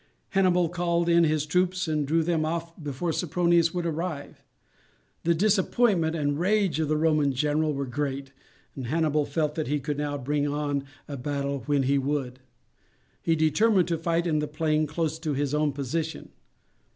Hannibal called in his troops and drew them off before Sempronius would arrive. The disappointment and rage of the Roman general were great, and Hannibal felt that he could now bring on a battle when he would. He determined to fight in the plain close to his own position.